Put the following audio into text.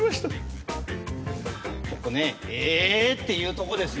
ここね「ええ！」って言うとこですよ。